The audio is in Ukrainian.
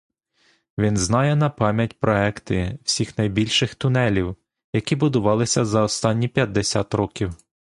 Він знає напам'ять проекти всіх найбільших тунелів, які будувалися за останні п'ятдесят років.